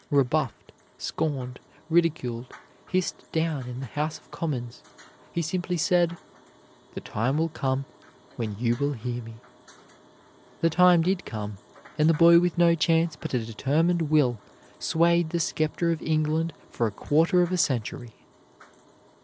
Rebuffed, scorned, ridiculed, hissed down in the House of Commons, he simply said, "The time will come when you will hear me." The time did come, and the boy with no chance but a determined will swayed the scepter of England for a quarter of a century.